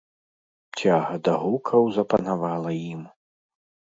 Цяга да гукаў запанавала ім.